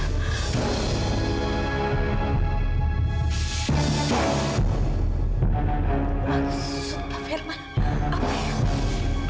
minggu ini biar aida bebas